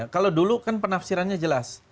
kalau dulu kan penafsirannya jelas